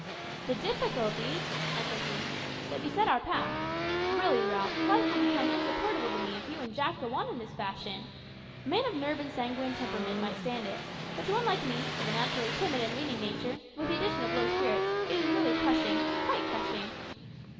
"`The difficulties,'" echoed he, "`that beset our path!' Really, Ralph, life will become insupportable to me if you and Jack go on in this fashion. A man of nerve and sanguine temperament might stand it, but to one like me, of a naturally timid and leaning nature, with the addition of low spirits, it is really crushing quite crushing."